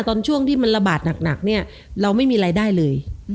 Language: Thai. ช่วงที่มันระบาดหนักเนี่ยเราไม่มีรายได้เลย